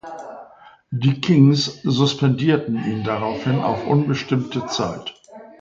Die Kings suspendierten ihn daraufhin auf unbestimmte Zeit.